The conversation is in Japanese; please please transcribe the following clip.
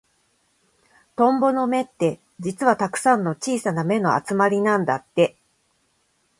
トンボの目って、実はたくさんの小さな目の集まりなんだって。